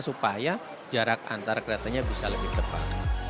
supaya jarak antara keretanya bisa lebih cepat